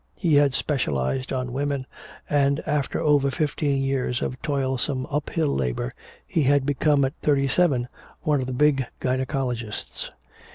He had specialized on women, and after over fifteen years of toilsome uphill labor he had become at thirty seven one of the big gynecologists.